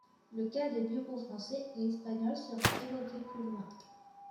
Le cas des bureaux français et espagnols sera évoqué plus loin.